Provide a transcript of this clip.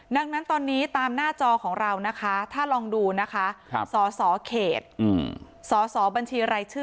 ดังนั้นตอนนี้ตามหน้าจอของเรานะคะถ้าลองดูนะคะสสเขตสสบัญชีรายชื่อ